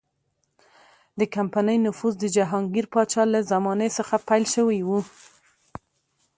د کمپنۍ نفوذ د جهانګیر پاچا له زمانې څخه پیل شوی و.